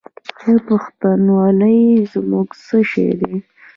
پښتونولي زموږ څه شی دی؟